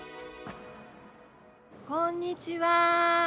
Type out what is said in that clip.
・こんにちは。